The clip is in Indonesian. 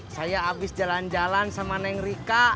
saya habis jalan jalan sama neng rika